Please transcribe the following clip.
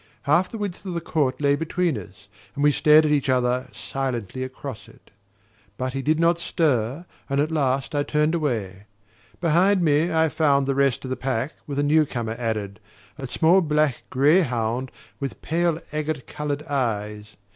Half the width of the court lay between us, and we stared at each other silently across it. But he did not stir, and at last I turned away. Behind me I found the rest of the pack, with a newcomer added: a small black greyhound with pale agate coloured eyes.